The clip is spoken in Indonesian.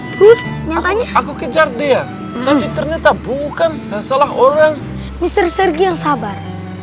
terus makanya aku kejar dia tapi ternyata bukan salah orang misteri sergi yang sabar